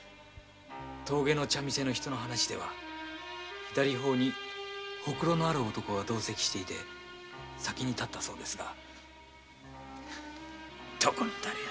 峠の茶店の人の話では左ほほにホクロのある男が同席していて先に発ったそうですがどこのだれやら。